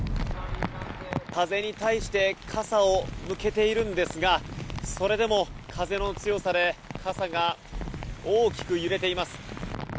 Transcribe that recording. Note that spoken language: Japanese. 風に対して傘を向けているんですがそれでも、風の強さで傘が大きく揺れています。